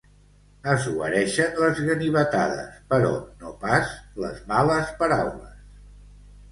Es guareixen les ganivetades, però no pas les males paraules.